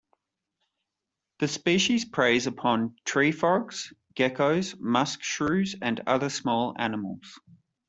The species preys upon tree frogs, geckos, musk shrews, and other small animals.